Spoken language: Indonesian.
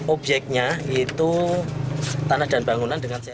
objeknya itu tanah dan bangunan dengan sehat